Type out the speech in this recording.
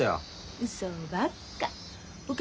うそばっか。